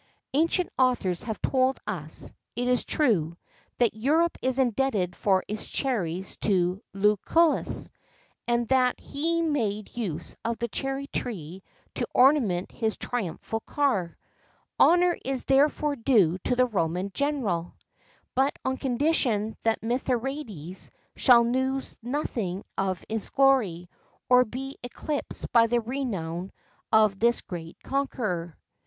Ancient authors have told us, it is true, that Europe is indebted for its cherries to Lucullus,[XII 54] and that he made use of the cherry tree to ornament his triumphal car; honour is therefore due to the Roman general, but on condition that Mithridates shall lose nothing of his glory, or be eclipsed by the renown of this great conqueror.